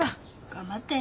頑張って！